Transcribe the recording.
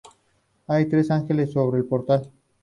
Hay tres ángeles sobre el portal.